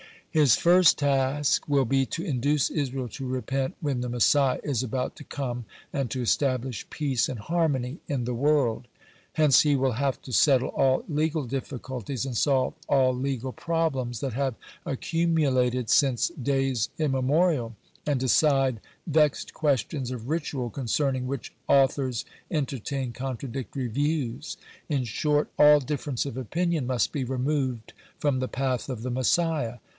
His first task will be to induce Israel to repent when the Messiah is about to come, (106) and to establish peace and harmony in the world. (107) Hence he will have to settle all legal difficulties, and solve all legal problems, that have accumulated since days immemorial, (108) and decide vexed questions of ritual concerning which authors entertain contradictory views. In short, all difference of opinion must be removed from the path of the Messiah.